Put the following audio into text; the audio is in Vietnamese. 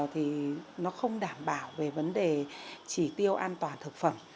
thì nó không đảm bảo về vấn đề chỉ tiêu an toàn thực phẩm